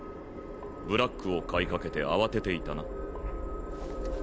ブラックを買いかけて慌てていたな。